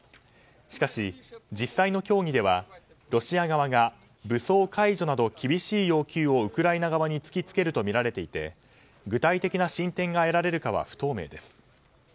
しかし、実際の協議ではロシア側が武装解除など厳しい要求をウクライナ側に突きつけるとみられていて具体的な進展が得られるかは不透明です。